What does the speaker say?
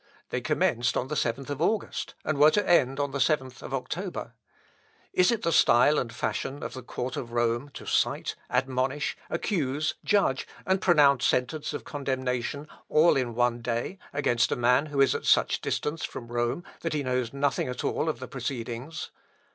They commenced on the 7th August, and were to end on the 7th October. Is it the style and fashion of the court of Rome to cite, admonish, accuse, judge, and pronounce sentence of condemnation, all in one day, against a man who is at such a distance from Rome, that he knows nothing at all of the proceedings?